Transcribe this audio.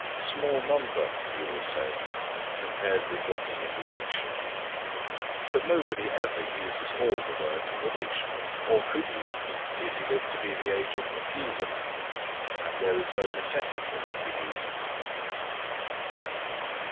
Small number, you will say, compared with what is in the dictionary! But nobody ever uses all the words in the dictionary or could use them did he live to be the age of Methuselah, and there is no necessity for using them.